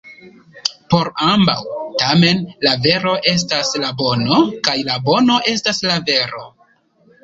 Por ambaŭ, tamen, la vero estas la bono, kaj la bono estas la vero.